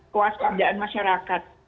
kewas keadaan masyarakat